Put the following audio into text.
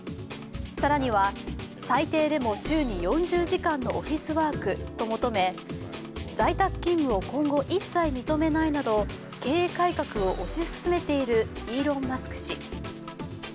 更には、最低でも週に４０時間のオフィスワークと求め在宅勤務を今後一切認めないなど経営改革を推し進めているイーロン・マスク氏。